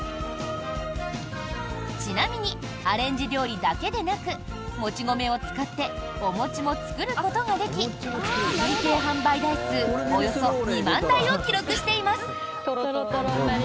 ちなみにアレンジ料理だけでなくもち米を使ってお餅も作ることもでき累計販売台数およそ２万台を記録しています。